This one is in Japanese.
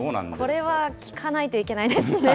これは聴かないといけないですね。